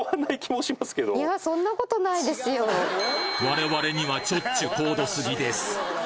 我々にはちょっちゅ高度すぎです！